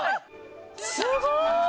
すごーい！